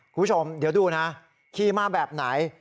คุณผู้ชมเดี๋ยวดูนะขี่มาแบบไหน